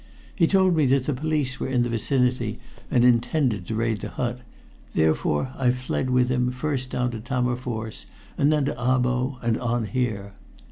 He told me that the police were in the vicinity and intended to raid the hut, therefore I fled with him, first down to Tammerfors and then to Abo, and on here.